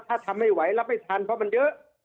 ถ้าทำไม่ไหวรับไม่ทันเพราะมันเยอะ